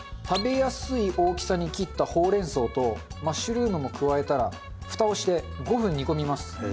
食べやすい大きさに切ったほうれん草とマッシュルームも加えたらフタをして５分煮込みます。